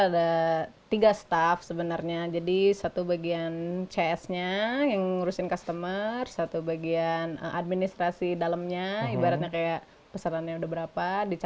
dan sisanya bekerja di kantor yang berlokasi di jalan terusan cisokan kota bandung jawa barat